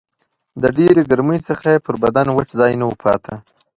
د ډېرې ګرمۍ څخه یې پر بدن وچ ځای نه و پاته